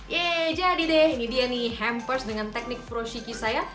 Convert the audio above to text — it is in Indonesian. yeay jadi deh ini dia nih hampers dengan teknik frozchiki saya